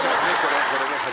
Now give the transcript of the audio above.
これね。